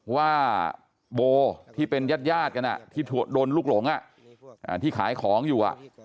ว่าโบที่เป็นญาติกันที่โดนลูกหลงที่ขายของอยู่